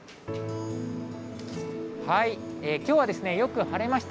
きょうはよく晴れました。